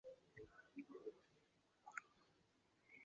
外景拍摄通常都在京都市左京区的冈崎周边进行。